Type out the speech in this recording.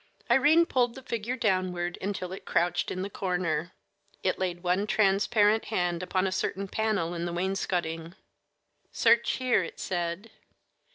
Irene pulled the figure downward, until it crouched in the corner. It laid one transparent hand upon a certain panel in the wainscoting. "Search here," it said.